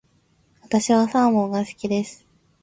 私はサーモンが好きです。